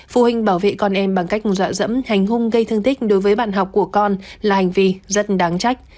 phụ huynh bảo vệ con em bằng cách dọa dẫm hành hung gây thương tích đối với bạn học của con là hành vi rất đáng trách